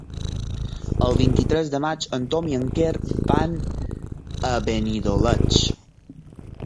El vint-i-tres de maig en Tom i en Quer van a Benidoleig.